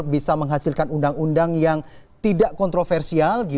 bisa menghasilkan undang undang yang tidak kontroversial